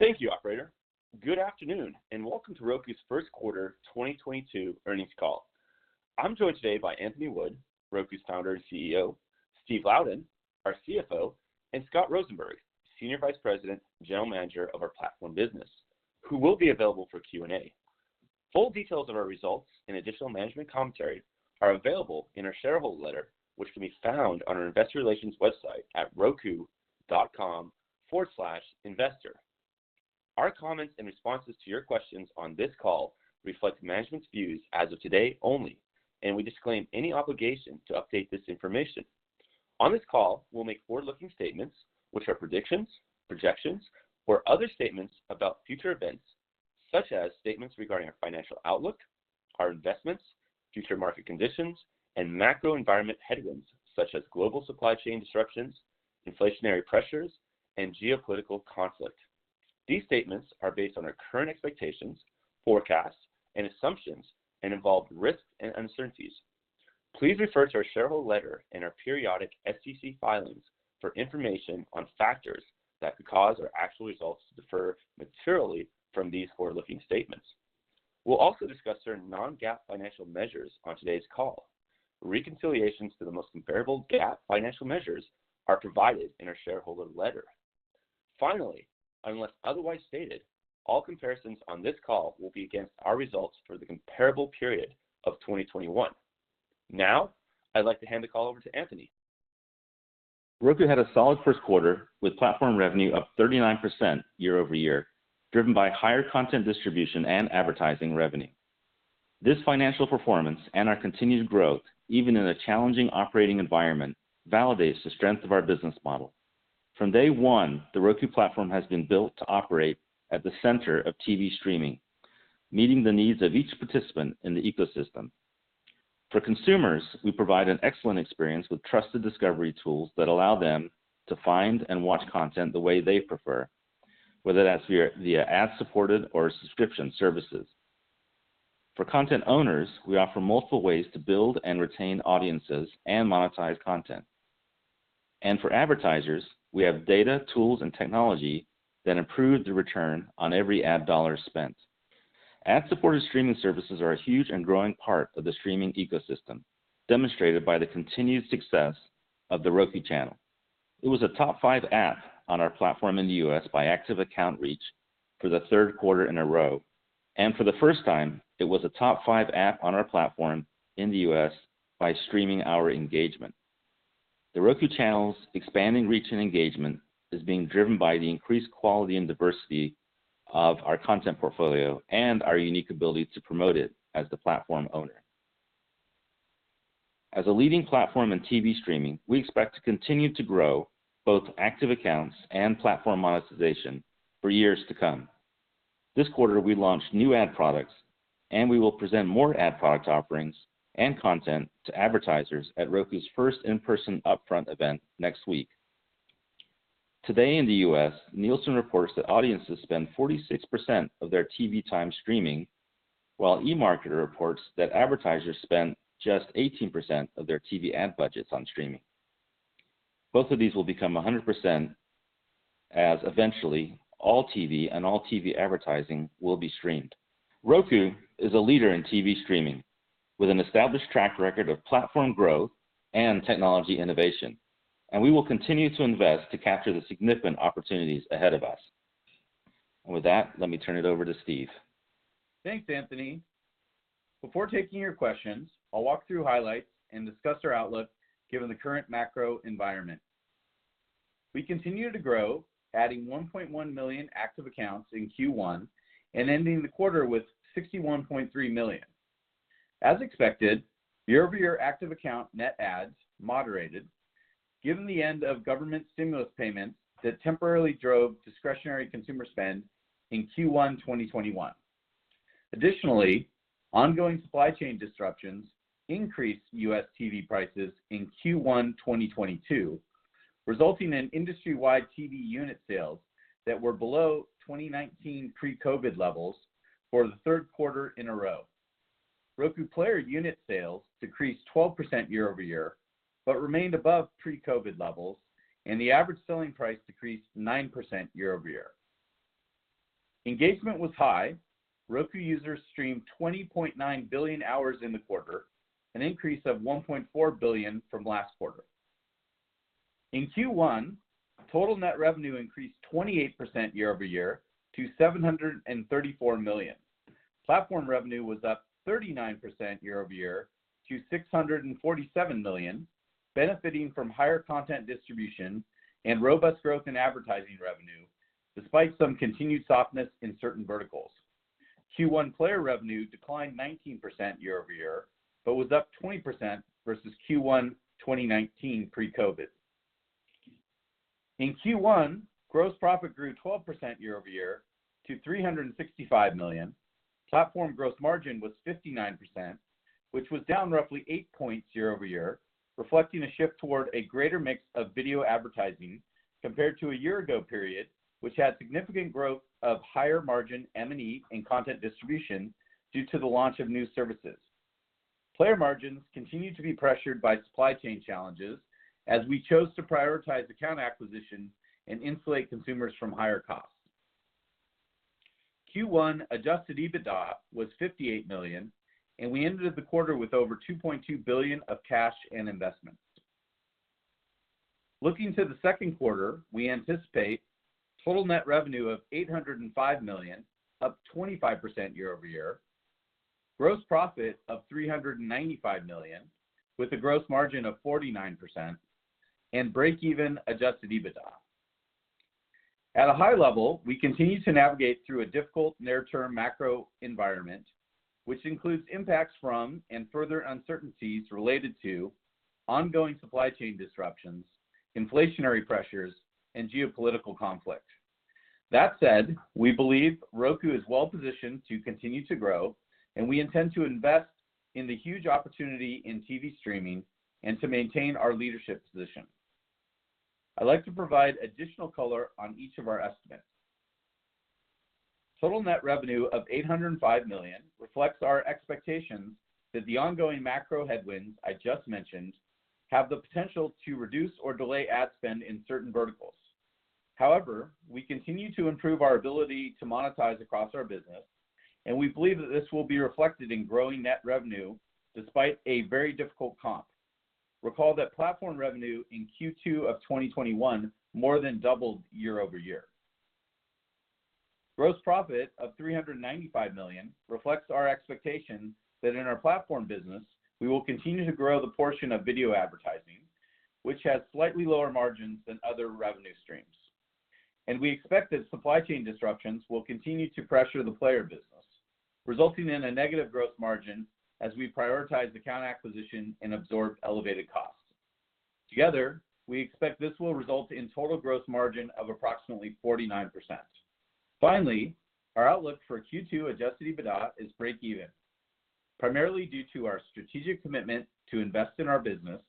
Thank you, operator. Good afternoon, and welcome to Roku's Q1 2022 earnings call. I'm joined today by Anthony Wood, Roku's Founder and CEO, Steve Louden, our CFO, and Scott Rosenberg, Senior Vice President and General Manager of our Platform Business, who will be available for Q&A. Full details of our results and additional management commentary are available in our shareholder letter, which can be found on our investor relations website at roku.com/investor. Our comments and responses to your questions on this call reflect management's views as of today only, and we disclaim any obligation to update this information. On this call, we'll make forward-looking statements which are predictions, projections, or other statements about future events, such as statements regarding our financial outlook, our investments, future market conditions, and macro environment headwinds, such as global supply chain disruptions, inflationary pressures, and geopolitical conflict. These statements are based on our current expectations, forecasts and assumptions and involve risks and uncertainties. Please refer to our shareholder letter and our periodic SEC filings for information on factors that could cause our actual results to differ materially from these forward-looking statements. We'll also discuss certain non-GAAP financial measures on today's call. Reconciliations to the most comparable GAAP financial measures are provided in our shareholder letter. Finally, unless otherwise stated, all comparisons on this call will be against our results for the comparable period of 2021. Now, I'd like to hand the call over to Anthony. Roku had a solid Q1 with platform revenue up 39% year-over-year, driven by higher content distribution and advertising revenue. This financial performance and our continued growth, even in a challenging operating environment, validates the strength of our business model. From day one, the Roku platform has been built to operate at the center of TV streaming, meeting the needs of each participant in the ecosystem. For consumers, we provide an excellent experience with trusted discovery tools that allow them to find and watch content the way they prefer, whether that's via ad-supported or subscription services. For content owners, we offer multiple ways to build and retain audiences and monetize content. For advertisers, we have data, tools, and technology that improve the return on every ad dollar spent. Ad-supported streaming services are a huge and growing part of the streaming ecosystem, demonstrated by the continued success of The Roku Channel. It was a top five app on our platform in the U.S. by active account reach for the Q3 in a row, and for the first time, it was a top five app on our platform in the U.S. by streaming hour engagement. The Roku Channel's expanding reach and engagement is being driven by the increased quality and diversity of our content portfolio and our unique ability to promote it as the platform owner. As a leading platform in TV streaming, we expect to continue to grow both active accounts and platform monetization for years to come. This quarter, we launched new ad products, and we will present more ad product offerings and content to advertisers at Roku's first in-person upfront event next week. Today in the U.S., Nielsen reports that audiences spend 46% of their TV time streaming, while eMarketer reports that advertisers spend just 18% of their TV ad budgets on streaming. Both of these will become 100% as eventually all TV and all TV advertising will be streamed. Roku is a leader in TV streaming with an established track record of platform growth and technology innovation, and we will continue to invest to capture the significant opportunities ahead of us. With that, let me turn it over to Steve. Thanks, Anthony. Before taking your questions, I'll walk through highlights and discuss our outlook given the current macro environment. We continue to grow, adding 1.1 million active accounts in Q1 and ending the quarter with 61.3 million. As expected, year-over-year active account net adds moderated given the end of government stimulus payments that temporarily drove discretionary consumer spend in Q1 2021. Additionally, ongoing supply chain disruptions increased U.S. TV prices in Q1 2022, resulting in industry-wide TV unit sales that were below 2019 pre-COVID levels for the Q3 in a row. Roku player unit sales decreased 12% year over year, but remained above pre-COVID levels, and the average selling price decreased 9% year over year. Engagement was high. Roku users streamed 20.9 billion hours in the quarter, an increase of 1.4 billion from last quarter. In Q1, total net revenue increased 28% year over year to $734 million. Platform revenue was up 39% year over year to $647 million, benefiting from higher content distribution and robust growth in advertising revenue, despite some continued softness in certain verticals. Q1 player revenue declined 19% year over year, but was up 20% versus Q1 2019 pre-COVID. In Q1, gross profit grew 12% year over year to $365 million. Platform gross margin was 59%, which was down roughly 8 points year-over-year, reflecting a shift toward a greater mix of video advertising compared to a year ago period, which had significant growth of higher margin M&E and content distribution due to the launch of new services. Player margins continue to be pressured by supply chain challenges as we chose to prioritize account acquisition and insulate consumers from higher costs. Q1 Adjusted EBITDA was $58 million, and we ended the quarter with over $2.2 billion of cash and investments. Looking to the Q2, we anticipate total net revenue of $805 million, up 25% year-over-year, gross profit of $395 million with a gross margin of 49%, and break-even Adjusted EBITDA. At a high level, we continue to navigate through a difficult near-term macro environment, which includes impacts from and further uncertainties related to ongoing supply chain disruptions, inflationary pressures, and geopolitical conflict. That said, we believe Roku is well positioned to continue to grow, and we intend to invest in the huge opportunity in TV streaming and to maintain our leadership position. I'd like to provide additional color on each of our estimates. Total net revenue of $805 million reflects our expectations that the ongoing macro headwinds I just mentioned have the potential to reduce or delay ad spend in certain verticals. However, we continue to improve our ability to monetize across our business, and we believe that this will be reflected in growing net revenue despite a very difficult comp. Recall that platform revenue in Q2 of 2021 more than doubled year-over-year. Gross profit of $395 million reflects our expectation that in our platform business, we will continue to grow the portion of video advertising, which has slightly lower margins than other revenue streams. We expect that supply chain disruptions will continue to pressure the player business, resulting in a negative growth margin as we prioritize account acquisition and absorb elevated costs. Together, we expect this will result in total gross margin of approximately 49%. Finally, our outlook for Q2 adjusted EBITDA is break even, primarily due to our strategic commitment to invest in our business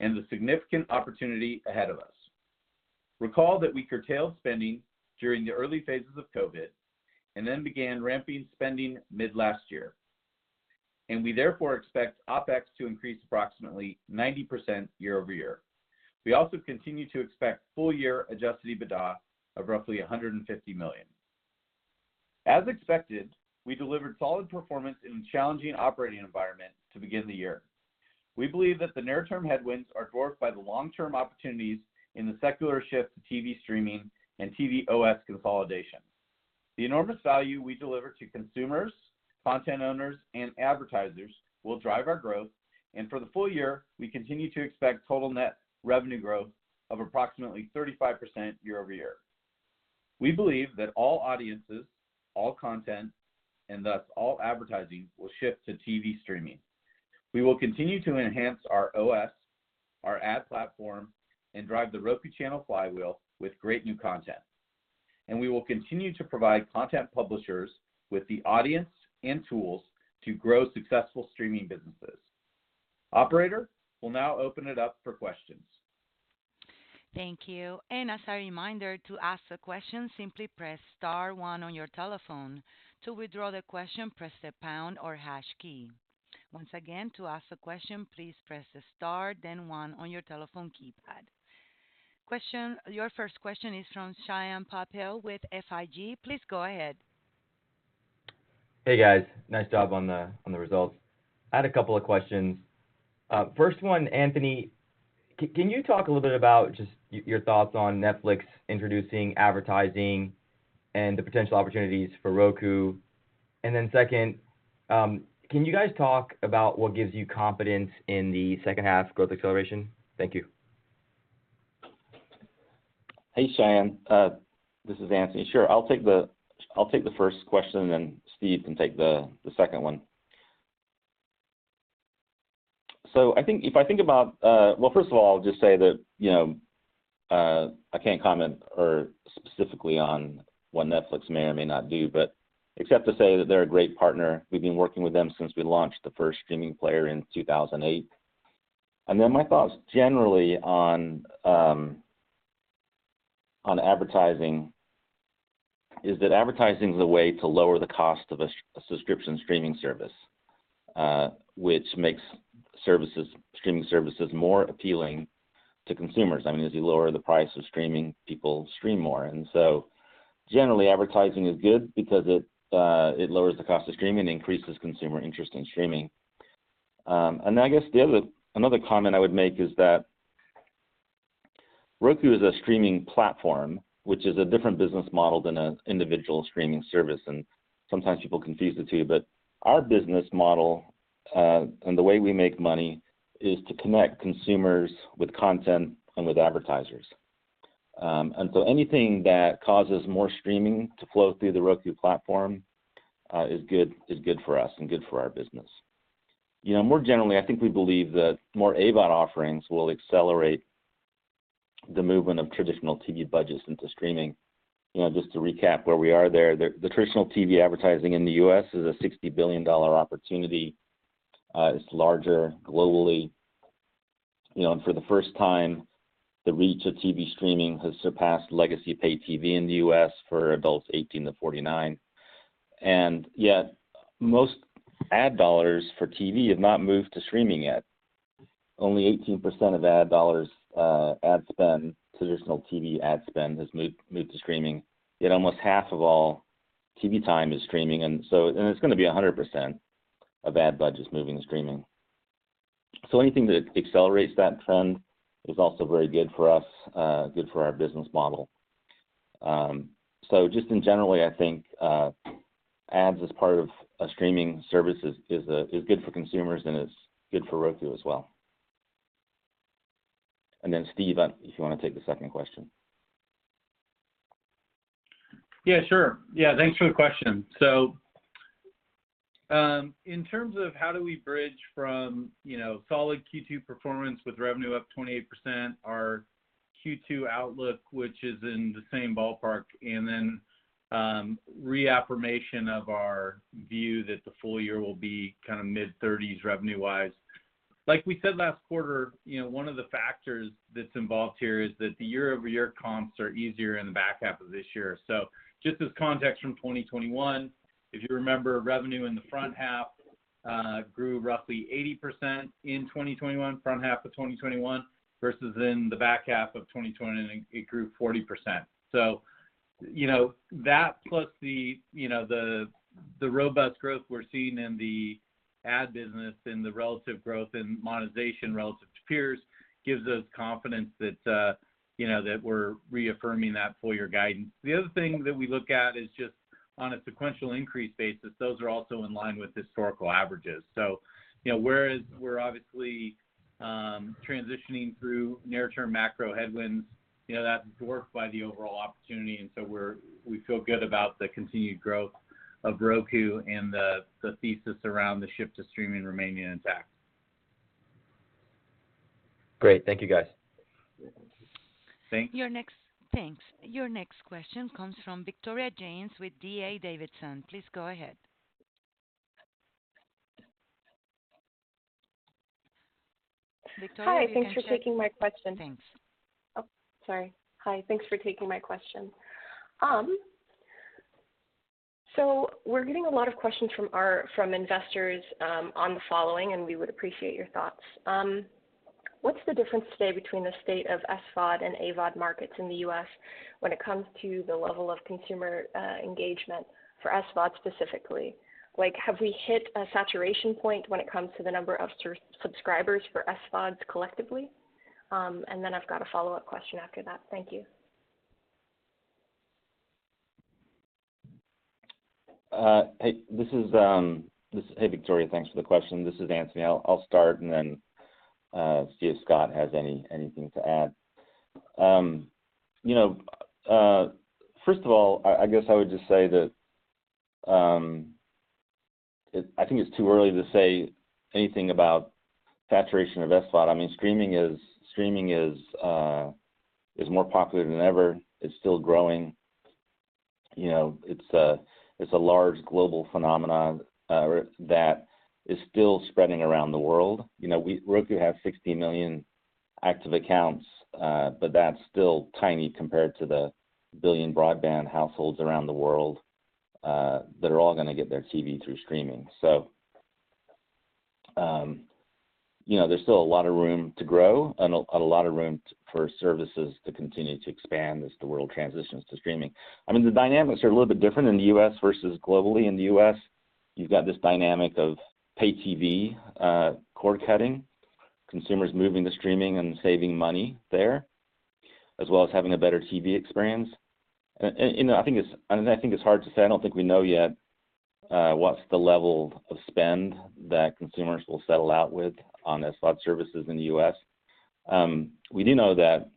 and the significant opportunity ahead of us. Recall that we curtailed spending during the early phases of COVID and then began ramping spending mid last year, and we therefore expect OpEx to increase approximately 90% year-over-year. We also continue to expect full year adjusted EBITDA of roughly $150 million. As expected, we delivered solid performance in a challenging operating environment to begin the year. We believe that the near-term headwinds are dwarfed by the long-term opportunities in the secular shift to TV streaming and TV OS consolidation. The enormous value we deliver to consumers, content owners, and advertisers will drive our growth. For the full year, we continue to expect total net revenue growth of approximately 35% year-over-year. We believe that all audiences, all content, and thus all advertising will shift to TV streaming. We will continue to enhance our OS, our ad platform, and drive The Roku Channel flywheel with great new content. We will continue to provide content publishers with the audience and tools to grow successful streaming businesses. Operator, we'll now open it up for questions. Thank you. As a reminder, to ask a question, simply press star one on your telephone. To withdraw the question, press the pound or hash key. Once again, to ask a question, please press the star, then one on your telephone keypad. Question. Your first question is from Shyam Patil with SFG. Please go ahead. Hey, guys. Nice job on the results. I had a couple of questions. First one, Anthony, can you talk a little bit about just your thoughts on Netflix introducing advertising and the potential opportunities for Roku? Second, can you guys talk about what gives you confidence in the second half growth acceleration? Thank you. Hey, Shyam. This is Anthony. Sure. I'll take the first question, then Steve can take the second one. I think about. Well, first of all, I'll just say that, you know, I can't comment specifically on what Netflix may or may not do, but except to say that they're a great partner. We've been working with them since we launched the first streaming player in 2008. My thoughts generally on advertising is that advertising is a way to lower the cost of a subscription streaming service, which makes streaming services more appealing to consumers. I mean, as you lower the price of streaming, people stream more. Generally, advertising is good because it lowers the cost of streaming and increases consumer interest in streaming. I guess another comment I would make is that Roku is a streaming platform, which is a different business model than an individual streaming service, and sometimes people confuse the two. Our business model, and the way we make money is to connect consumers with content and with advertisers. Anything that causes more streaming to flow through the Roku platform, is good for us and good for our business. You know, more generally, I think we believe that more AVOD offerings will accelerate the movement of traditional TV budgets into streaming. You know, just to recap where we are there, the traditional TV advertising in the U.S. is a $60 billion opportunity. It's larger globally. You know, for the first time, the reach of TV streaming has surpassed legacy of paid TV in the U.S. for adults 18 to 49, and yet most ad dollars for TV have not moved to streaming yet. Only 18% of ad dollars, ad spend, traditional TV ad spend has moved to streaming, yet almost half of all TV time is streaming. It's gonna be 100% of ad budgets moving to streaming. Anything that accelerates that trend is also very good for us, good for our business model. Just in general, I think, ads as part of a streaming service is good for consumers and is good for Roku as well. Steve, if you wanna take the second question. Yeah, sure. Yeah, thanks for the question. In terms of how do we bridge from, you know, solid Q2 performance with revenue up 28%, our Q2 outlook, which is in the same ballpark, and then, reaffirmation of our view that the full year will be kinda mid-30s revenue-wise. Like we said last quarter, you know, one of the factors that's involved here is that the year-over-year comps are easier in the back half of this year. Just as context from 2021, if you remember, revenue in the front half grew roughly 80% in 2021, front half of 2021, versus in the back half of 2020, and it grew 40%. You know, that plus the you know the robust growth we're seeing in the ad business and the relative growth and monetization relative to peers gives us confidence that, you know, that we're reaffirming that full year guidance. The other thing that we look at is just on a sequential increase basis, those are also in line with historical averages. You know, whereas we're obviously transitioning through near-term macro headwinds, you know, that's dwarfed by the overall opportunity, and so we feel good about the continued growth of Roku and the thesis around the shift to streaming remaining intact. Great. Thank you, guys. Thanks. Thanks. Your next question comes from Tom Forte with D.A. Davidson. Please go ahead. Victoria, you can check- Hi. Thanks for taking my question. Thanks. Oh, sorry. Hi. Thanks for taking my question. So we're getting a lot of questions from our investors on the following, and we would appreciate your thoughts. What's the difference today between the state of SVOD and AVOD markets in the U.S. when it comes to the level of consumer engagement for SVOD specifically? Like, have we hit a saturation point when it comes to the number of subscribers for SVODs collectively? And then I've got a follow-up question after that. Thank you. Hey, Tom Forte. Thanks for the question. This is Anthony. I'll start and then see if Scott has anything to add. You know, first of all, I guess I would just say that I think it's too early to say anything about saturation of SVOD. I mean, streaming is more popular than ever. It's still growing. You know, it's a large global phenomenon that is still spreading around the world. You know, Roku has 60 million active accounts, but that's still tiny compared to the one billion broadband households around the world that are all gonna get their TV through streaming. You know, there's still a lot of room to grow and a lot of room for services to continue to expand as the world transitions to streaming. I mean, the dynamics are a little bit different in the U.S. versus globally. In the U.S., you've got this dynamic of pay TV, cord-cutting, consumers moving to streaming and saving money there, as well as having a better TV experience. You know, I think it's hard to say. I mean, I don't think we know yet what's the level of spend that consumers will settle out with on SVOD services in the U.S. We do know that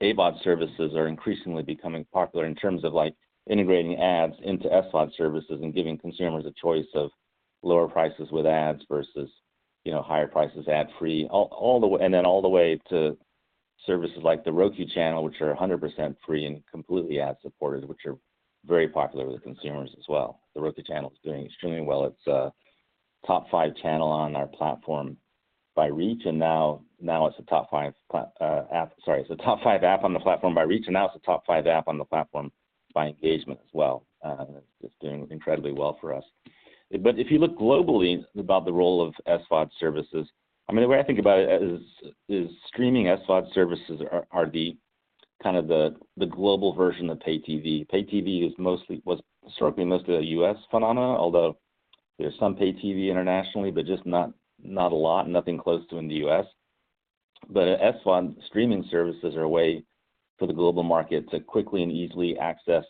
AVOD services are increasingly becoming popular in terms of, like, integrating ads into SVOD services and giving consumers a choice of lower prices with ads versus, you know, higher prices ad-free, all the way to services like The Roku Channel, which are 100% free and completely ad supported, which are very popular with consumers as well. The Roku Channel is doing extremely well. It's a top five channel on our platform by reach, and now it's a top five app on the platform by reach, and now it's a top five app on the platform by engagement as well. It's doing incredibly well for us. If you look globally about the role of SVOD services, I mean, the way I think about it is streaming SVOD services are kind of the global version of pay TV. Pay TV was historically mostly a U.S. phenomenon, although there's some pay TV internationally, but just not a lot, nothing close to in the U.S. SVOD streaming services are a way for the global market to quickly and easily access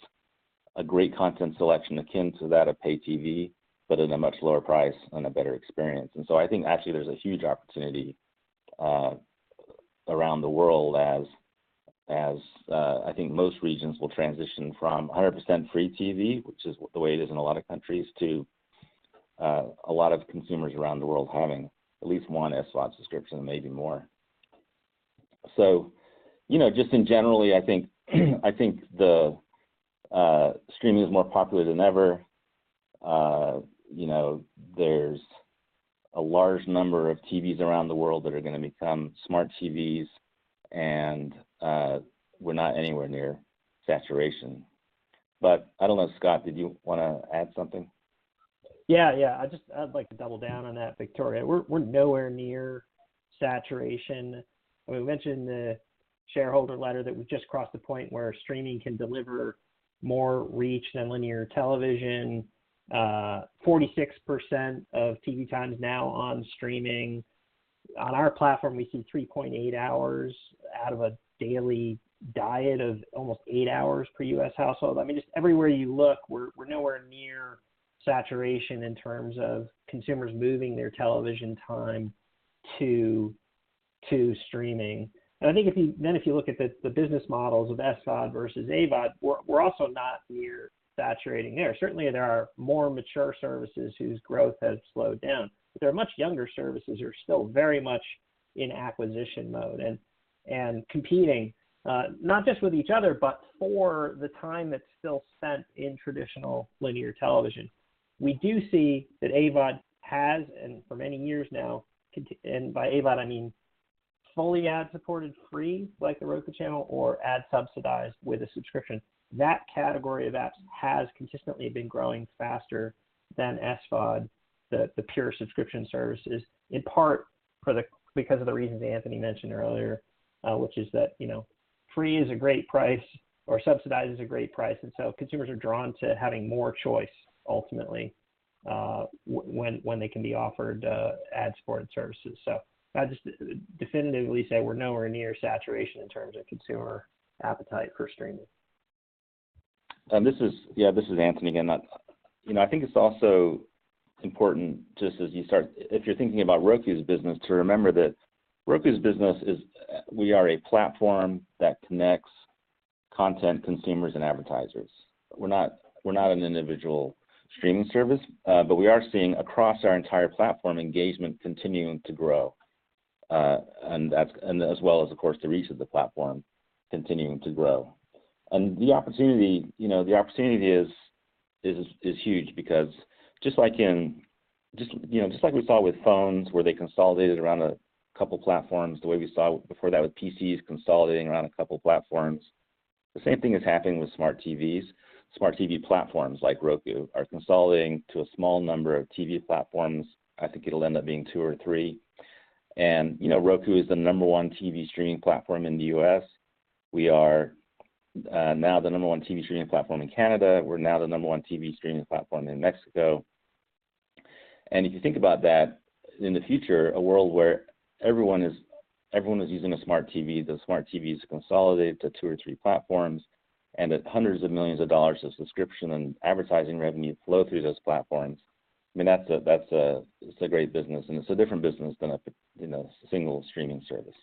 a great content selection akin to that of pay TV, but at a much lower price and a better experience. I think actually there's a huge opportunity around the world as I think most regions will transition from 100% free TV, which is the way it is in a lot of countries, to a lot of consumers around the world having at least one SVOD subscription and maybe more. You know, just in general, I think the streaming is more popular than ever. You know, there's a large number of TVs around the world that are gonna become smart TVs and we're not anywhere near saturation. I don't know, Scott, did you wanna add something? Yeah, yeah. I'd like to double down on that, Victoria. We're nowhere near saturation. We mentioned the shareholder letter that we've just crossed the point where streaming can deliver more reach than linear television. 46% of TV time is now on streaming. On our platform, we see 3.8 hours out of a daily diet of almost 8 hours per U.S. household. I mean, just everywhere you look, we're nowhere near saturation in terms of consumers moving their television time to streaming. I think then if you look at the business models of SVOD versus AVOD, we're also not near saturating there. Certainly, there are more mature services whose growth has slowed down. There are much younger services who are still very much in acquisition mode and competing, not just with each other, but for the time that's still spent in traditional linear television. We do see that AVOD has and for many years now and by AVOD, I mean fully ad-supported free, like The Roku Channel, or ad subsidized with a subscription. That category of apps has consistently been growing faster than SVOD, the pure subscription services, in part because of the reasons Anthony mentioned earlier, which is that, you know, free is a great price or subsidized is a great price, and so consumers are drawn to having more choice ultimately, when they can be offered ad-supported services. I'll just definitively say we're nowhere near saturation in terms of consumer appetite for streaming. This is Anthony again. You know, I think it's also important if you're thinking about Roku's business, to remember that Roku's business is, we are a platform that connects content consumers and advertisers. We're not an individual streaming service, but we are seeing across our entire platform engagement continuing to grow, as well as of course the reach of the platform continuing to grow. The opportunity, you know, is huge because you know, just like we saw with phones where they consolidated around a couple platforms, the way we saw before that with PCs consolidating around a couple platforms, the same thing is happening with smart TVs. Smart TV platforms like Roku are consolidating to a small number of TV platforms. I think it'll end up being two or three. You know, Roku is the number one TV streaming platform in the US. We are now the number one TV streaming platform in Canada. We're now the number one TV streaming platform in Mexico. If you think about that, in the future, a world where everyone is using a smart TV, those smart TVs consolidate to two or three platforms, and hundreds of millions of dollars of subscription and advertising revenue flow through those platforms, I mean, that's a great business, and it's a different business than a single streaming service.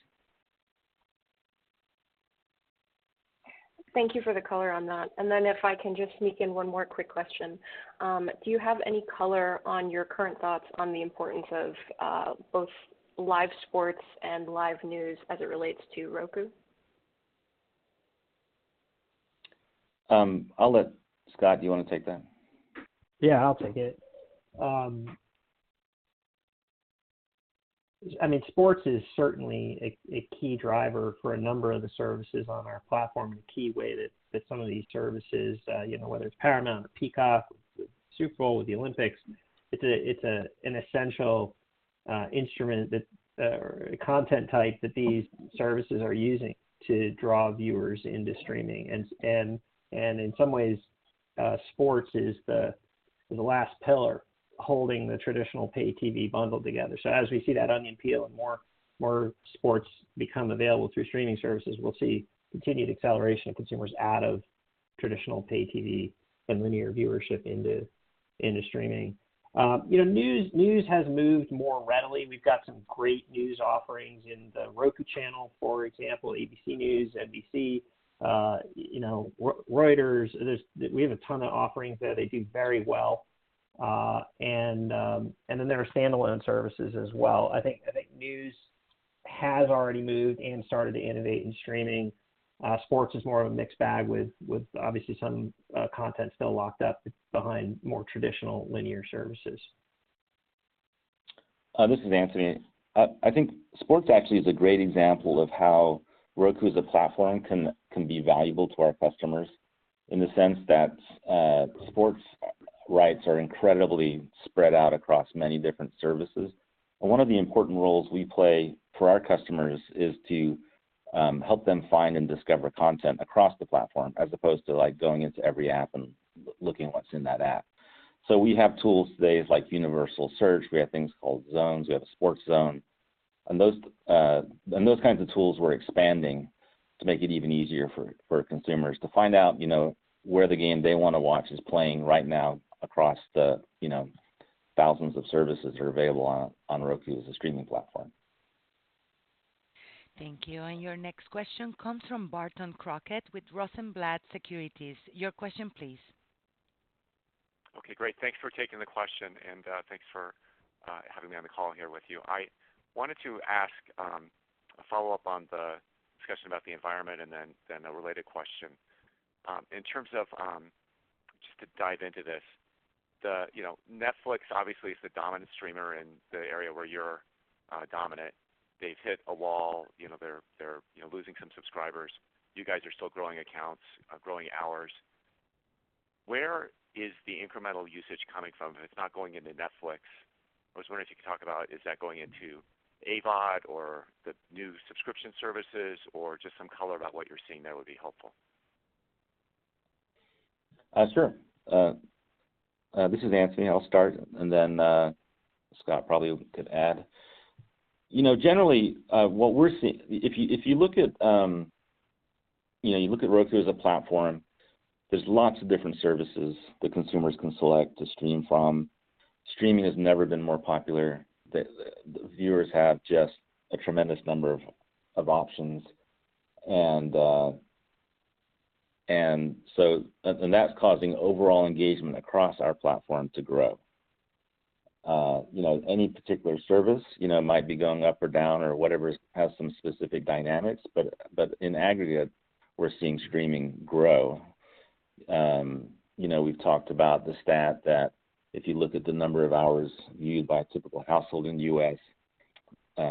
Thank you for the color on that. If I can just sneak in one more quick question. Do you have any color on your current thoughts on the importance of both live sports and live news as it relates to Roku? I'll let Scott, do you wanna take that? Yeah, I'll take it. I mean, sports is certainly a key driver for a number of the services on our platform and a key way that some of these services, you know, whether it's Paramount or Peacock, Super Bowl with the Olympics, it's an essential content type that these services are using to draw viewers into streaming. In some ways, sports is the last pillar holding the traditional pay TV bundle together. As we see that onion peel and more sports become available through streaming services, we'll see continued acceleration of consumers out of traditional pay TV and linear viewership into streaming. You know, news has moved more readily. We've got some great news offerings in The Roku Channel. For example, ABC News, NBC, you know, Reuters. We have a ton of offerings there. They do very well. There are standalone services as well. I think news has already moved and started to innovate in streaming. Sports is more of a mixed bag with obviously some content still locked up behind more traditional linear services. This is Anthony. I think sports actually is a great example of how Roku as a platform can be valuable to our customers in the sense that sports rights are incredibly spread out across many different services. One of the important roles we play for our customers is to help them find and discover content across the platform, as opposed to like going into every app and looking what's in that app. We have tools today like universal search. We have things called zones. We have a Sports Zone. Those kinds of tools we're expanding to make it even easier for consumers to find out, you know, where the game they wanna watch is playing right now across the, you know, thousands of services that are available on Roku as a streaming platform. Thank you. Your next question comes from Barton Crockett with Rosenblatt Securities. Your question, please. Okay, great. Thanks for taking the question, and thanks for having me on the call here with you. I wanted to ask a follow-up on the discussion about the environment and then a related question. In terms of just to dive into this, the, you know, Netflix obviously is the dominant streamer in the area where you're dominant. They've hit a wall, you know, they're, you know, losing some subscribers. You guys are still growing accounts, growing hours. Where is the incremental usage coming from if it's not going into Netflix? I was wondering if you could talk about is that going into AVOD or the new subscription services, or just some color about what you're seeing there would be helpful. Sure. This is Anthony. I'll start, and then Scott probably could add. You know, generally, what we're seeing. If you look at Roku as a platform, there's lots of different services that consumers can select to stream from. Streaming has never been more popular. The viewers have just a tremendous number of options, and that's causing overall engagement across our platform to grow. You know, any particular service might be going up or down or whatever, has some specific dynamics, but in aggregate, we're seeing streaming grow. You know, we've talked about the stat that if you look at the number of hours viewed by a typical household in the U.S.,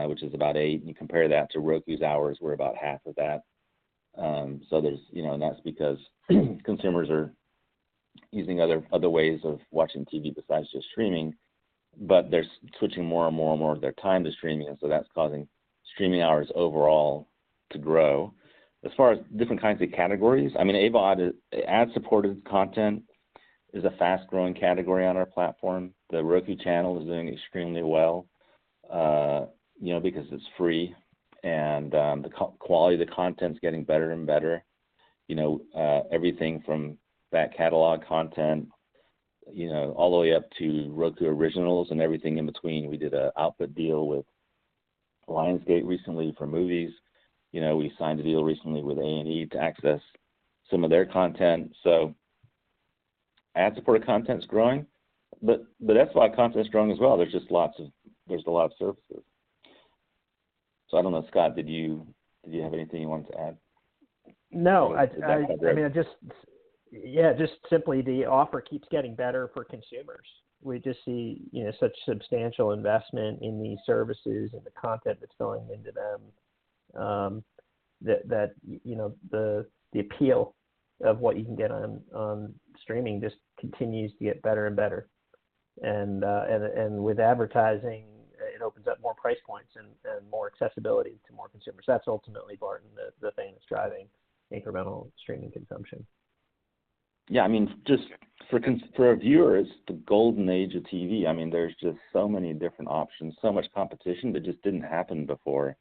which is about eight, and you compare that to Roku's hours, we're about half of that. There's, you know, and that's because consumers are using other ways of watching TV besides just streaming, but they're switching more and more of their time to streaming, and so that's causing streaming hours overall to grow. As far as different kinds of categories, I mean, AVOD is ad-supported content is a fast-growing category on our platform. The Roku Channel is doing extremely well, you know, because it's free, and the quality of the content's getting better and better. You know, everything from back catalog content, you know, all the way up to Roku Originals and everything in between. We did a output deal with Lionsgate recently for movies. You know, we signed a deal recently with A&E to access some of their content. ad-supported content's growing, but SVOD content's growing as well. There's a lot of services. I don't know, Scott, did you have anything you wanted to add? No. Did that about do it? I mean, just simply the offer keeps getting better for consumers. We just see, you know, such substantial investment in these services and the content that's going into them, that you know, the appeal of what you can get on streaming just continues to get better and better. With advertising, it opens up more price points and more accessibility to more consumers. That's ultimately, Barton, the thing that's driving incremental streaming consumption. Yeah. I mean, just for our viewers, the golden age of TV. I mean, there's just so many different options, so much competition that just didn't happen before,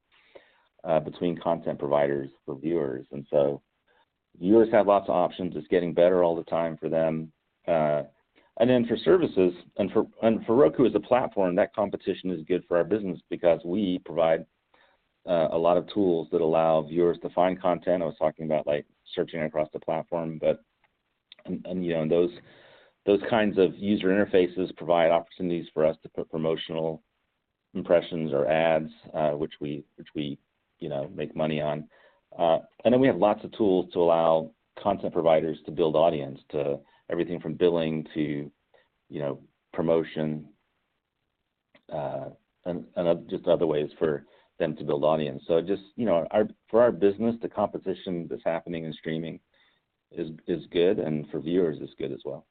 between content providers for viewers. Viewers have lots of options. It's getting better all the time for them. For services, and for Roku as a platform, that competition is good for our business because we provide a lot of tools that allow viewers to find content. I was talking about, like, searching across the platform. You know, those kinds of user interfaces provide opportunities for us to put promotional impressions or ads, which we, you know, make money on. We have lots of tools to allow content providers to build audience too everything from billing to, you know, promotion, and other just other ways for them to build audience. Just, you know, for our business, the competition that's happening in streaming is good and for viewers is good as well.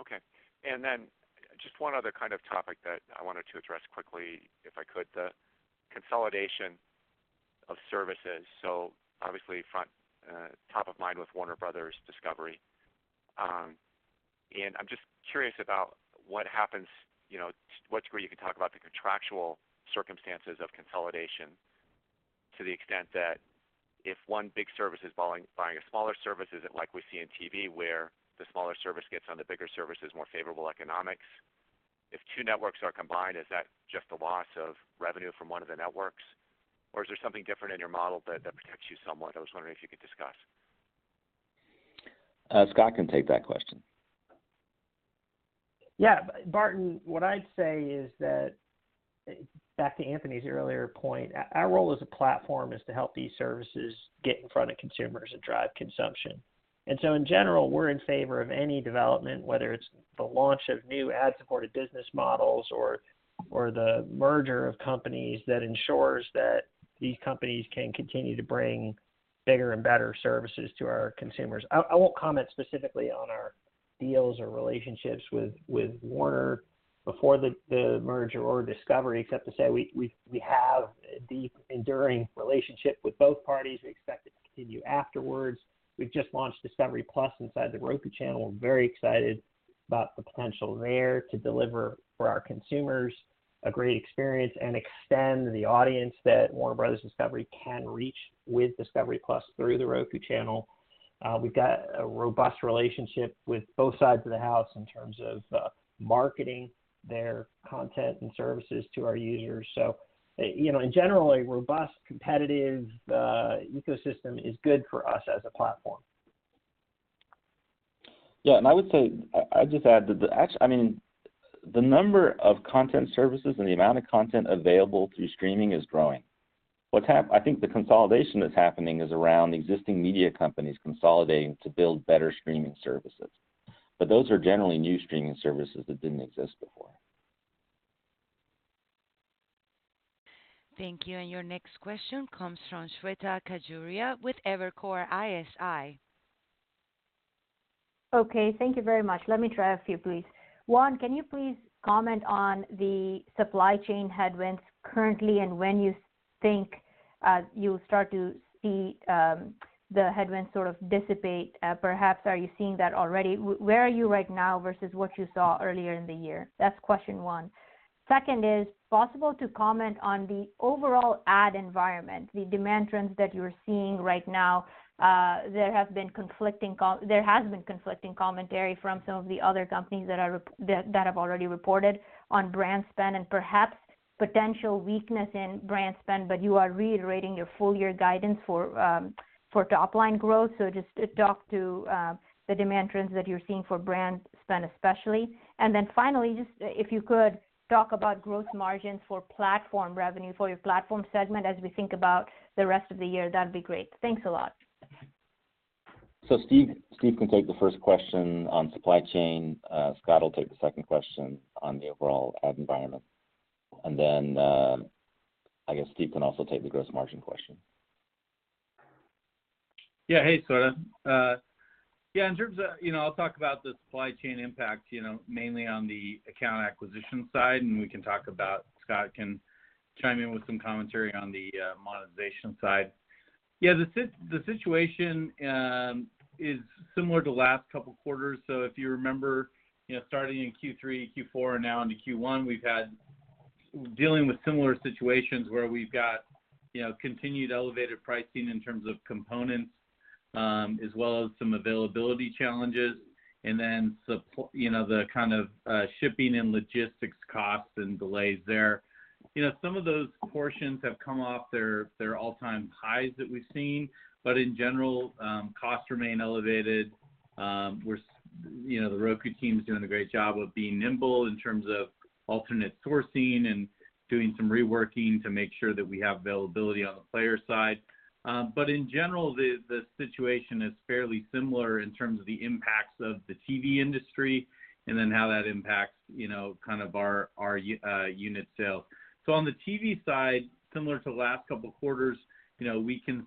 Okay. Just one other kind of topic that I wanted to address quickly if I could, the consolidation of services. Obviously front, top of mind with Warner Bros. Discovery. I'm just curious about what happens, you know, what's where you can talk about the contractual circumstances of consolidation to the extent that if one big service is buying a smaller service, is it like we see in TV where the smaller service gets on the bigger service's more favorable economics? If two networks are combined, is that just a loss of revenue from one of the networks, or is there something different in your model that protects you somewhat? I was wondering if you could discuss. Scott can take that question. Yeah. Barton, what I'd say is that, back to Anthony's earlier point, our role as a platform is to help these services get in front of consumers and drive consumption. In general, we're in favor of any development, whether it's the launch of new ad-supported business models or the merger of companies that ensures that these companies can continue to bring bigger and better services to our consumers. I won't comment specifically on our deals or relationships with Warner before the merger or Discovery, except to say we have a deep enduring relationship with both parties. We expect it to continue afterwards. We've just launched discovery+ inside The Roku Channel. We're very excited about the potential there to deliver for our consumers a great experience and extend the audience that Warner Bros. Discovery can reach with Discovery+ through The Roku Channel. We've got a robust relationship with both sides of the house in terms of marketing their content and services to our users. You know, in general, a robust competitive ecosystem is good for us as a platform. Yeah, I would say, I just add that I mean, the number of content services and the amount of content available through streaming is growing. I think the consolidation that's happening is around existing media companies consolidating to build better streaming services. Those are generally new streaming services that didn't exist before. Thank you. Your next question comes from Shweta Khajuria with Evercore ISI. Okay, thank you very much. Let me try a few, please. One, can you please comment on the supply chain headwinds currently, and when you think you'll start to see the headwinds sort of dissipate? Perhaps are you seeing that already? Where are you right now versus what you saw earlier in the year? That's question one. Second, is it possible to comment on the overall ad environment, the demand trends that you're seeing right now? There has been conflicting commentary from some of the other companies that have already reported on brand spend and perhaps potential weakness in brand spend, but you are reiterating your full year guidance for top line growth. Just talk about the demand trends that you're seeing for brand spend, especially. Finally, just if you could talk about growth margins for platform revenue, for your platform segment as we think about the rest of the year, that'd be great. Thanks a lot. Steve can take the first question on supply chain. Scott will take the second question on the overall ad environment. I guess Steve can also take the gross margin question. Yeah. Hey, Shweta. Yeah, in terms of, you know, I'll talk about the supply chain impact, you know, mainly on the account acquisition side, and Scott can chime in with some commentary on the monetization side. Yeah, the situation is similar to last couple quarters. If you remember, you know, starting in Q3, Q4, and now into Q1, we've had dealing with similar situations where we've got, you know, continued elevated pricing in terms of components, as well as some availability challenges and then you know, the kind of shipping and logistics costs and delays there. You know, some of those portions have come off their all-time highs that we've seen, but in general, costs remain elevated. You know, the Roku team's doing a great job of being nimble in terms of alternate sourcing and doing some reworking to make sure that we have availability on the player side. The situation is fairly similar in terms of the impacts of the TV industry and then how that impacts, you know, kind of our unit sales. On the TV side, similar to the last couple quarters, you know, we can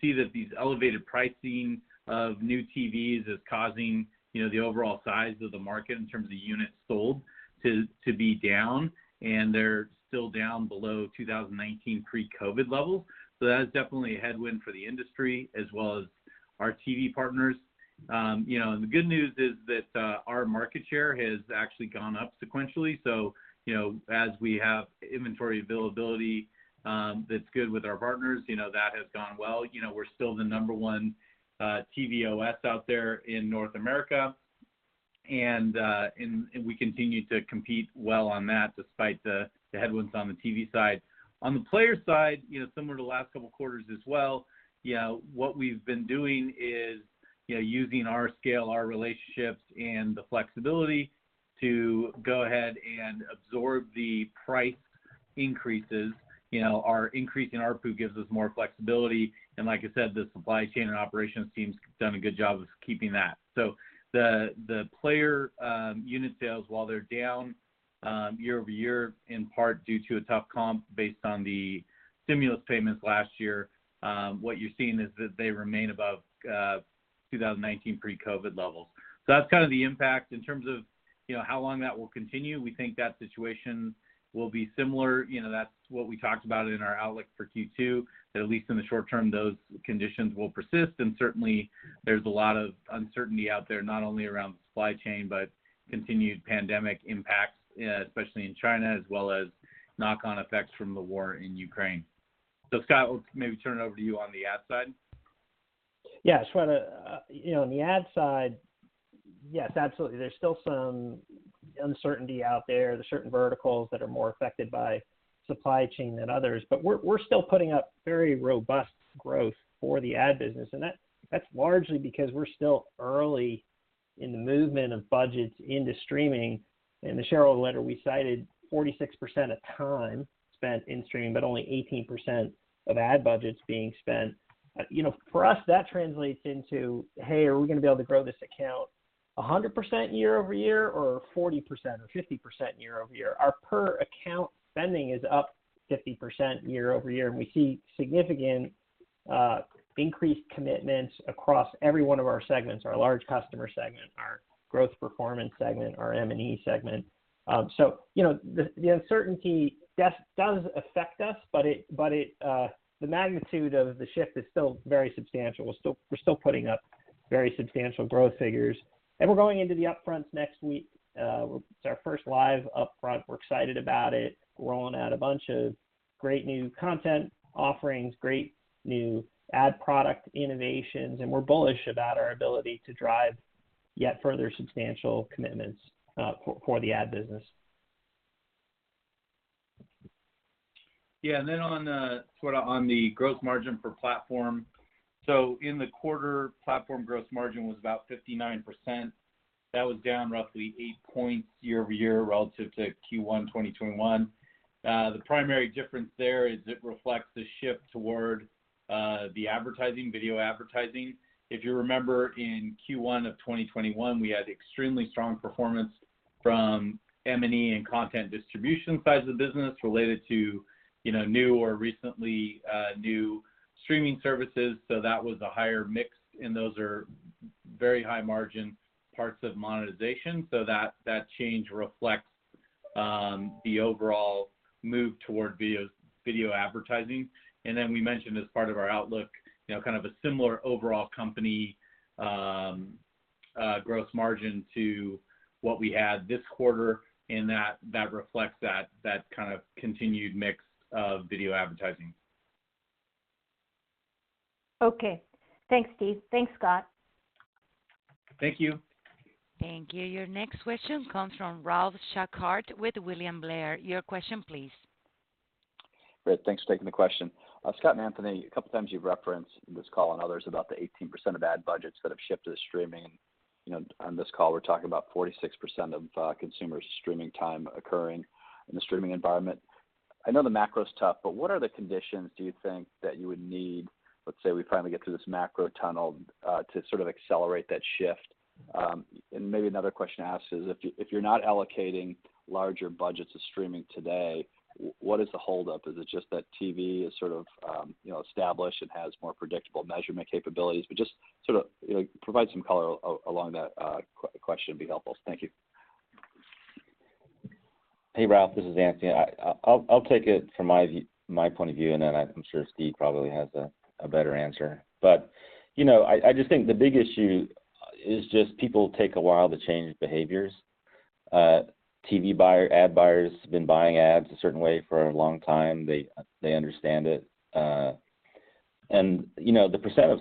see that these elevated pricing of new TVs is causing, you know, the overall size of the market in terms of units sold to be down, and they're still down below 2019 pre-COVID levels. That is definitely a headwind for the industry as well as our TV partners. You know, the good news is that our market share has actually gone up sequentially. You know, as we have inventory availability, that's good with our partners, you know, that has gone well. You know, we're still the number one TV OS out there in North America. We continue to compete well on that despite the headwinds on the TV side. On the player side, you know, similar to the last couple quarters as well, you know, what we've been doing is, you know, using our scale, our relationships, and the flexibility to go ahead and absorb the price increases. You know, our increase in ARPU gives us more flexibility. Like I said, the supply chain and operations team's done a good job of keeping that. The player unit sales, while they're down year-over-year, in part due to a tough comp based on the stimulus payments last year, what you're seeing is that they remain above 2019 pre-COVID levels. That's kind of the impact. In terms of, you know, how long that will continue, we think that situation will be similar. You know, that's what we talked about in our outlook for Q2, that at least in the short term, those conditions will persist. Certainly, there's a lot of uncertainty out there, not only around the supply chain, but continued pandemic impacts, especially in China, as well as knock-on effects from the war in Ukraine. Scott, we'll maybe turn it over to you on the ad side. Yeah, Shweta. You know, on the ad side, yes, absolutely. There's still some uncertainty out there. There's certain verticals that are more affected by supply chain than others. We're still putting up very robust growth for the ad business, and that's largely because we're still early in the movement of budgets into streaming. In the shareholder letter, we cited 46% of time spent in streaming, but only 18% of ad budgets being spent. You know, for us, that translates into, hey, are we gonna be able to grow this account 100% year-over-year or 40% or 50% year-over-year? Our per account spending is up 50% year-over-year, and we see significant increased commitments across every one of our segments, our large customer segment, our growth performance segment, our M&E segment. You know, the uncertainty does affect us, but it, the magnitude of the shift is still very substantial. We're still putting up very substantial growth figures. We're going into the upfronts next week. It's our first live upfront. We're excited about it. Rolling out a bunch of great new content offerings, great new ad product innovations, and we're bullish about our ability to drive yet further substantial commitments for the ad business. Yeah. Then on the growth margin for platform. In the quarter, platform gross margin was about 59%. That was down roughly eight points year-over-year relative to Q1 2021. The primary difference there is it reflects the shift toward the advertising, video advertising. If you remember, in Q1 of 2021, we had extremely strong performance from M&E and content distribution sides of the business related to, you know, new streaming services. That was a higher mix, and those are very high margin parts of monetization. That change reflects the overall move toward video advertising. Then we mentioned as part of our outlook, you know, kind of a similar overall company gross margin to what we had this quarter. That reflects that kind of continued mix of video advertising. Okay. Thanks, Steve. Thanks, Scott. Thank you. Thank you. Your next question comes from Ralph Schackart with William Blair. Your question please. Great. Thanks for taking the question. Scott and Anthony, a couple times you've referenced in this call and others about the 18% of ad budgets that have shifted to streaming. You know, on this call, we're talking about 46% of consumer streaming time occurring in the streaming environment. I know the macro is tough, but what are the conditions do you think that you would need, let's say we finally get through this macro tunnel, to sort of accelerate that shift? Maybe another question to ask is if you're not allocating larger budgets to streaming today, what is the hold up? Is it just that TV is sort of, you know, established and has more predictable measurement capabilities? Just sort of, you know, provide some color along that question would be helpful. Thank you. Hey, Ralph, this is Anthony. I'll take it from my point of view, and then I'm sure Steve probably has a better answer. You know, I just think the big issue is just people take a while to change behaviors. TV ad buyers been buying ads a certain way for a long time. They understand it. You know, the percent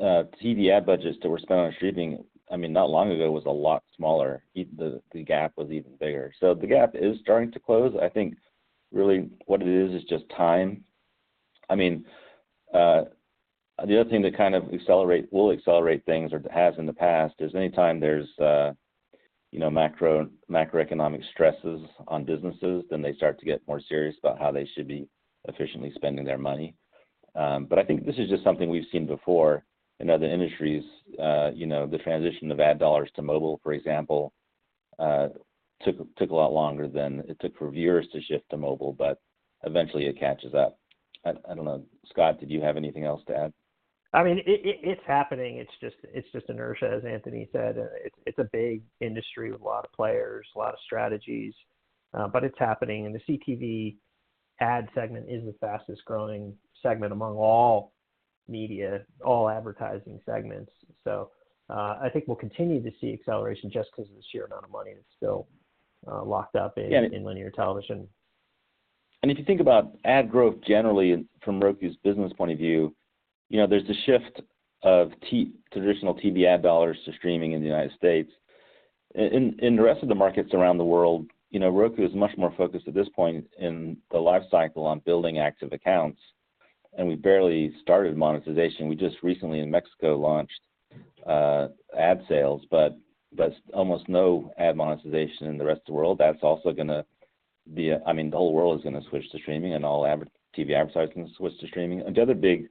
of TV ad budgets that were spent on streaming, I mean, not long ago, was a lot smaller. The gap was even bigger. The gap is starting to close. I think really what it is just time. I mean, the other thing that will accelerate things or has in the past is anytime there's, you know, macroeconomic stresses on businesses, then they start to get more serious about how they should be efficiently spending their money. I think this is just something we've seen before in other industries. You know, the transition of ad dollars to mobile, for example, took a lot longer than it took for viewers to shift to mobile, but eventually it catches up. I don't know. Scott, did you have anything else to add? I mean, it's happening. It's just inertia, as Anthony said. It's a big industry with a lot of players, a lot of strategies, but it's happening. The CTV ad segment is the fastest-growing segment among all media, all advertising segments. I think we'll continue to see acceleration just 'cause of the sheer amount of money that's still locked up in- Yeah In linear television. If you think about ad growth generally from Roku's business point of view, you know, there's the shift of traditional TV ad dollars to streaming in the United States. In the rest of the markets around the world, you know, Roku is much more focused at this point in the life cycle on building active accounts, and we barely started monetization. We just recently in Mexico launched ad sales, but almost no ad monetization in the rest of the world. That's also gonna be. I mean, the whole world is gonna switch to streaming, and all TV advertising switch to streaming. The other big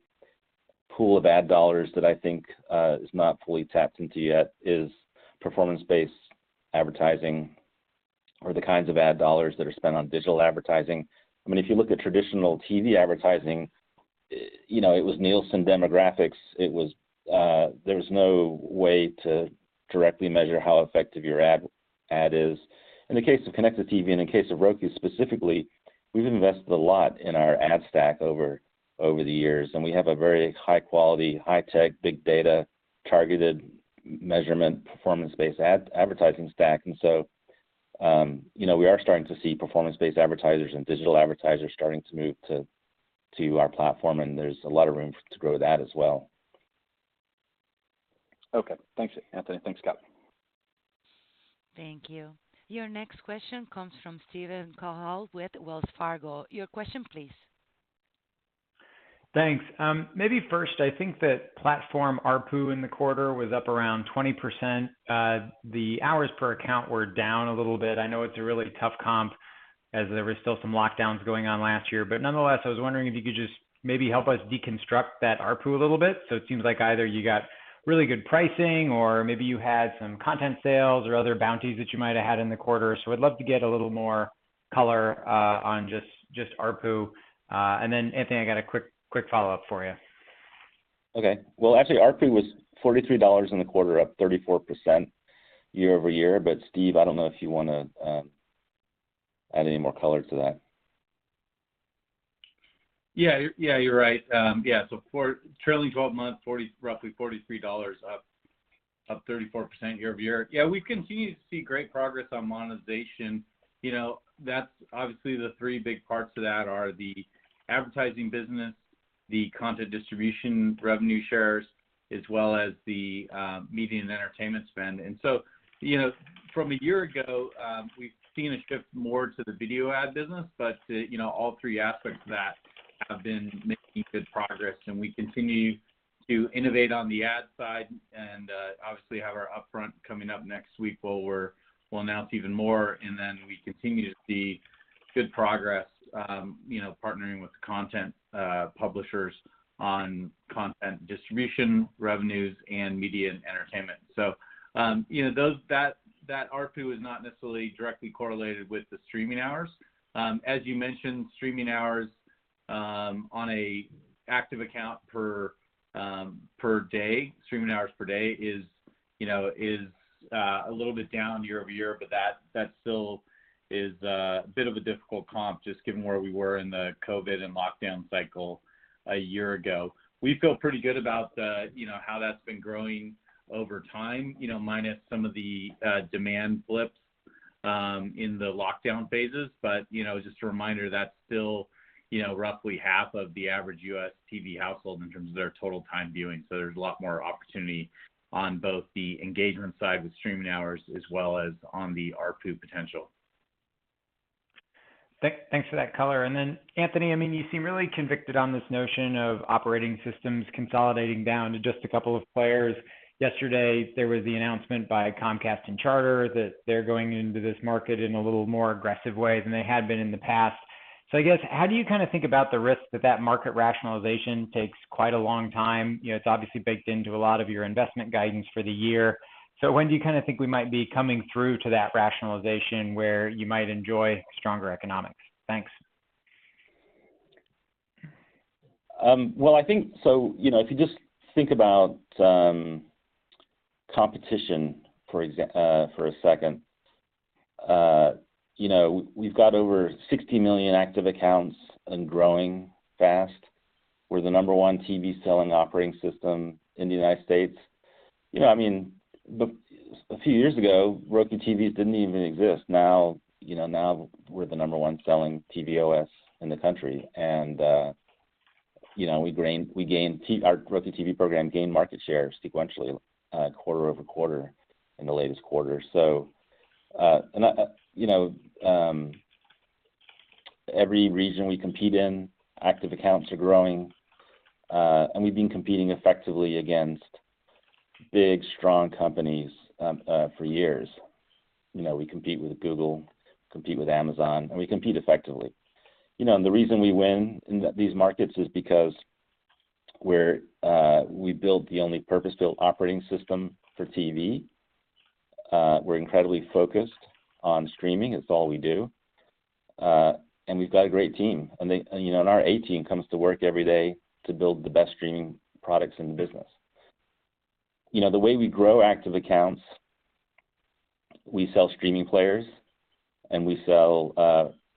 pool of ad dollars that I think is not fully tapped into yet is performance-based advertising or the kinds of ad dollars that are spent on digital advertising. I mean, if you look at traditional TV advertising, you know, it was Nielsen demographics. It was there was no way to directly measure how effective your ad is. In the case of connected TV and in case of Roku specifically, we've invested a lot in our ad stack over the years, and we have a very high quality, high tech, big data-targeted measurement performance-based advertising stack. You know, we are starting to see performance-based advertisers and digital advertisers starting to move to our platform, and there's a lot of room to grow that as well. Okay. Thanks, Anthony. Thanks, Scott. Thank you. Your next question comes from Steven Cahall with Wells Fargo. Your question please. Thanks. Maybe first, I think that platform ARPU in the quarter was up around 20%. The hours per account were down a little bit. I know it's a really tough comp as there were still some lockdowns going on last year. Nonetheless, I was wondering if you could just maybe help us deconstruct that ARPU a little bit. It seems like either you got really good pricing or maybe you had some content sales or other bounties that you might have had in the quarter. I'd love to get a little more color on just ARPU. Then Anthony, I got a quick follow-up for you. Okay. Well, actually, ARPU was $43 in the quarter, up 34% year-over-year. Steve, I don't know if you wanna add any more color to that. Yeah. Yeah, you're right. So, for trailing 12 months, roughly $43, up 34% year-over-year. Yeah, we continue to see great progress on monetization. You know, that's obviously the three big parts to that are the advertising business, the content distribution revenue shares, as well as the media and entertainment spend. You know, from a year ago, we've seen a shift more to the video ad business. You know, all three aspects of that have been making good progress. We continue to innovate on the ad side and obviously have our upfront coming up next week where we'll announce even more, and then we continue to see good progress, you know, partnering with content publishers on content distribution revenues and media and entertainment. You know, that ARPU is not necessarily directly correlated with the streaming hours. As you mentioned, streaming hours on an active account per day, streaming hours per day is, you know, a little bit down year-over-year, but that still is a bit of a difficult comp, just given where we were in the COVID and lockdown cycle a year ago. We feel pretty good about the, you know, how that's been growing over time, you know, minus some of the demand flips in the lockdown phases. You know, just a reminder, that's still, you know, roughly half of the average U.S. TV household in terms of their total time viewing. There's a lot more opportunity on both the engagement side with streaming hours as well as on the ARPU potential. Thanks for that color. Anthony, I mean, you seem really convinced on this notion of operating systems consolidating down to just a couple of players. Yesterday, there was the announcement by Comcast and Charter that they're going into this market in a little more aggressive way than they had been in the past. I guess, how do you kind of think about the risk that that market rationalization takes quite a long time? You know, it's obviously baked into a lot of your investment guidance for the year. When do you kind of think we might be coming through to that rationalization where you might enjoy stronger economics? Thanks. You know, if you just think about competition for a second. You know, we've got over 60 million active accounts and growing fast. We're the number-one selling TV operating system in the United States. You know, I mean, a few years ago, Roku TVs didn't even exist. Now, you know, we're the number-one selling TV OS in the country. You know, every region we compete in, active accounts are growing. We've been competing effectively against big, strong companies for years. You know, we compete with Google, compete with Amazon, and we compete effectively. You know, the reason we win in these markets is because we built the only purpose-built operating system for TV. We're incredibly focused on streaming. It's all we do. We've got a great team. They, you know, and our A-team comes to work every day to build the best streaming products in the business. You know, the way we grow active accounts, we sell streaming players, and we sell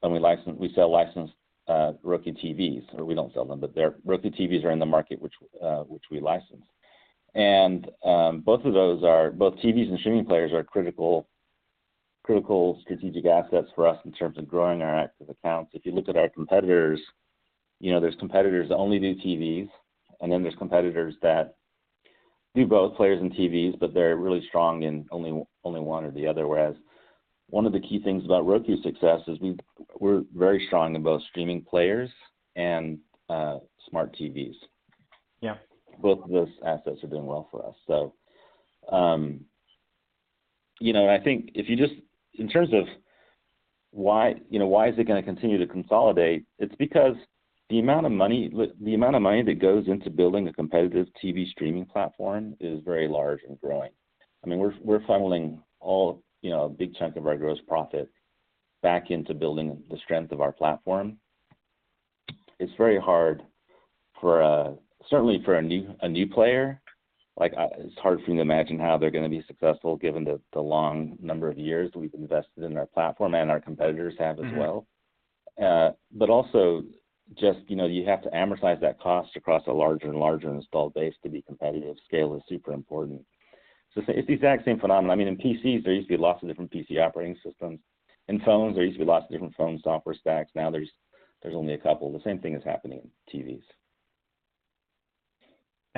licensed Roku TVs, or we don't sell them, but their Roku TVs are in the market which we license. Both TVs and streaming players are critical strategic assets for us in terms of growing our active accounts. If you look at our competitors, you know, there's competitors that only do TVs, and then there's competitors that do both players and TVs, but they're really strong in only one or the other. Whereas one of the key things about Roku's success is we're very strong in both streaming players and smart TVs. Yeah. Both those assets are doing well for us. In terms of why, you know, why is it gonna continue to consolidate, it's because the amount of money that goes into building a competitive TV streaming platform is very large and growing. I mean, we're funneling all, you know, a big chunk of our gross profit back into building the strength of our platform. It's very hard for a certainly for a new player. It's hard for me to imagine how they're gonna be successful given the long number of years we've invested in our platform and our competitors have as well. Mm-hmm. also just, you know, you have to amortize that cost across a larger and larger installed base to be competitive. Scale is super important. It's the exact same phenomenon. I mean, in PCs, there used to be lots of different PC operating systems. In phones, there used to be lots of different phone software stacks. Now there's only a couple. The same thing is happening in TVs.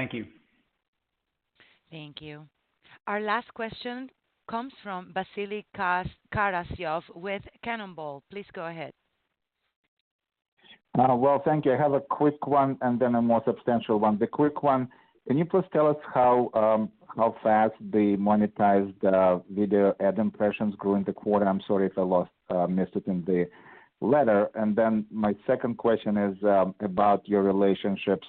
Thank you. Thank you. Our last question comes from Vasily Karasyov with Cannonball. Please go ahead. Well, thank you. I have a quick one and then a more substantial one. The quick one, can you please tell us how fast the monetized video ad impressions grew in the quarter? I'm sorry if I missed it in the letter. Then my second question is about your relationships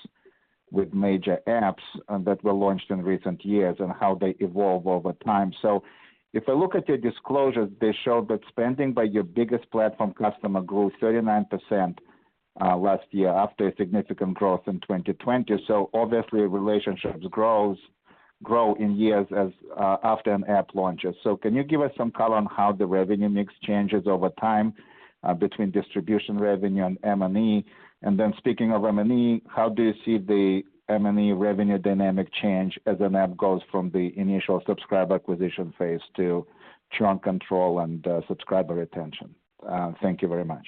with major apps that were launched in recent years and how they evolve over time. If I look at your disclosures, they show that spending by your biggest platform customer grew 39% last year after a significant growth in 2020. Obviously relationships grow in years as after an app launches. Can you give us some color on how the revenue mix changes over time between distribution revenue and M&E? Speaking of M&E, how do you see the M&E revenue dynamic change as an app goes from the initial subscriber acquisition phase to churn control and subscriber retention? Thank you very much.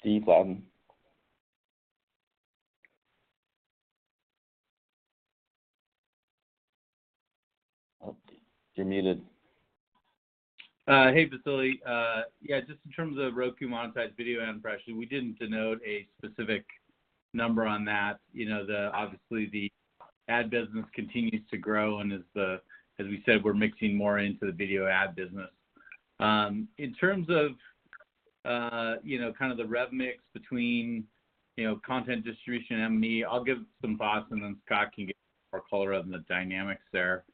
Steve, I'll Oh, you're muted. Hey, Vasily. Yeah, just in terms of Roku monetized video impressions, we didn't denote a specific number on that. You know, obviously, the ad business continues to grow, and as we said, we're mixing more into the video ad business. In terms of, you know, kind of the rev mix between, you know, content distribution and M&E, I'll give some thoughts, and then Scott can give more color on the dynamics there.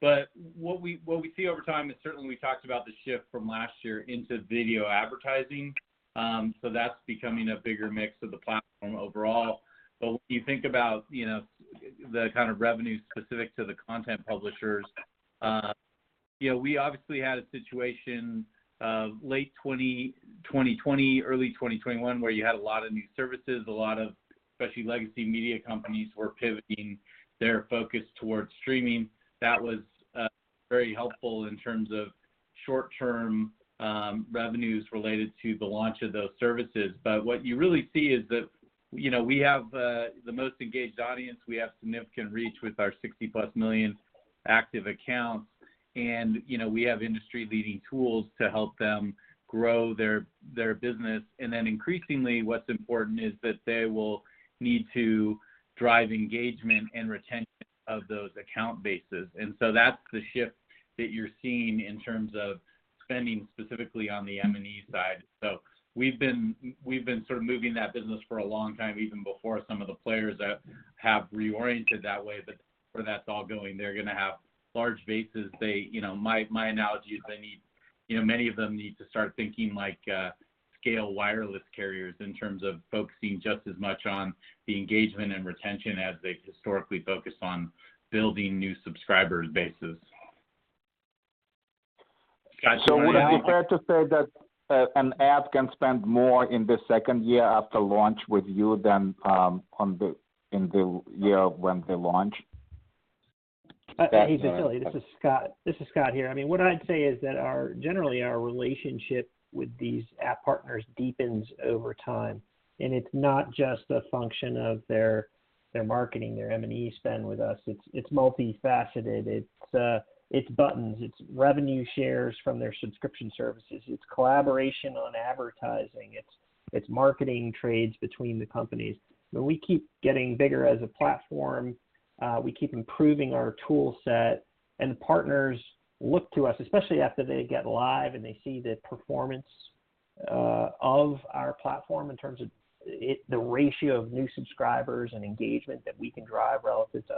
What we see over time is certainly we talked about the shift from last year into video advertising. So that's becoming a bigger mix of the platform overall. When you think about, you know, the kind of revenue specific to the content publishers, you know, we obviously had a situation of late 2020, early 2021, where you had a lot of new services. A lot of especially legacy media companies were pivoting their focus towards streaming. That was very helpful in terms of short-term revenues related to the launch of those services. What you really see is that, you know, we have the most engaged audience. We have significant reach with our 60+ million active accounts. You know, we have industry-leading tools to help them grow their business. Increasingly, what's important is that they will need to drive engagement and retention of those account bases. That's the shift that you're seeing in terms of spending specifically on the M&E side. We've been sort of moving that business for a long time, even before some of the players have reoriented that way. Where that's all going, they're gonna have large bases. My analogy is they need to start thinking like scaled wireless carriers in terms of focusing just as much on the engagement and retention as they've historically focused on building new subscriber bases. Scott, do you want to add- Would it be fair to say that an app can spend more in the second year after launch with you than in the year when they launch? Hey, Vasily. This is Scott here. I mean, what I'd say is that generally, our relationship with these app partners deepens over time. It's not just a function of their marketing, their M&E spend with us. It's multifaceted. It's buttons. It's revenue shares from their subscription services. It's collaboration on advertising. It's marketing trades between the companies. When we keep getting bigger as a platform, we keep improving our tool set. Partners look to us, especially after they get live and they see the performance of our platform in terms of the ratio of new subscribers and engagement that we can drive relative to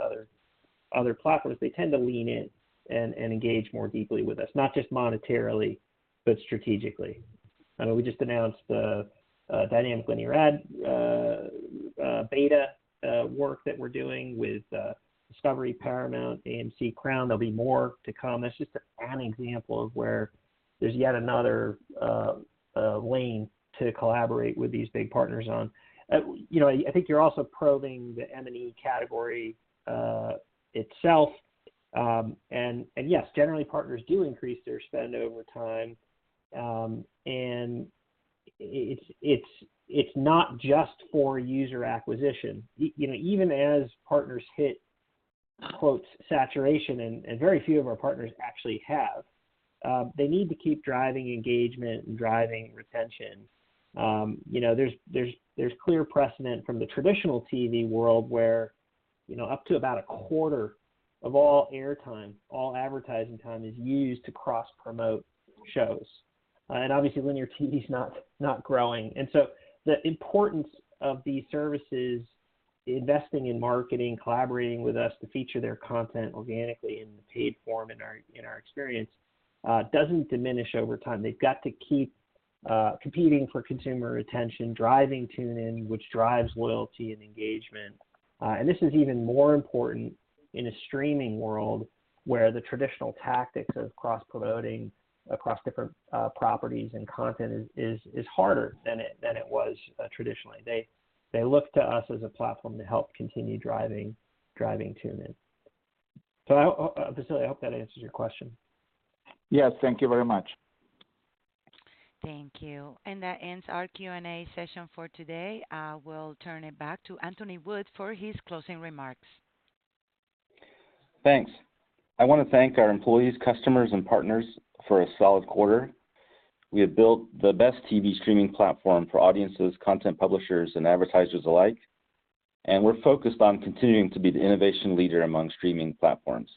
other platforms. They tend to lean in and engage more deeply with us, not just monetarily, but strategically. I know we just announced the dynamic linear ad beta work that we're doing with Discovery, Paramount, AMC, Crown. There'll be more to come. That's just an example of where there's yet another lane to collaborate with these big partners on. You know, I think you're also probing the M&E category itself. Yes, generally partners do increase their spend over time. It's not just for user acquisition. You know, even as partners hit, quote, "saturation," and very few of our partners actually have, they need to keep driving engagement and driving retention. You know, there's clear precedent from the traditional TV world where, you know, up to about a quarter of all air time, all advertising time is used to cross-promote shows. Obviously linear TV is not growing. The importance of these services investing in marketing, collaborating with us to feature their content organically in the paid form in our experience doesn't diminish over time. They've got to keep competing for consumer attention, driving tune in, which drives loyalty and engagement. This is even more important in a streaming world where the traditional tactics of cross-promoting across different properties and content is harder than it was traditionally. They look to us as a platform to help continue driving tune in. Vasily, I hope that answers your question. Yes. Thank you very much. Thank you. That ends our Q&A session for today. I will turn it back to Anthony Wood for his closing remarks. Thanks. I want to thank our employees, customers, and partners for a solid quarter. We have built the best TV streaming platform for audiences, content publishers, and advertisers alike, and we're focused on continuing to be the innovation leader among streaming platforms.